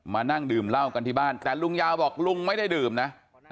นั่งดื่มเหล้ากันที่บ้านแต่ลุงยาวบอกลุงไม่ได้ดื่มนะ